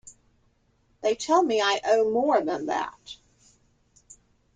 They tell me I owe more than that.